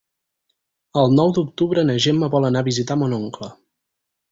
El nou d'octubre na Gemma vol anar a visitar mon oncle.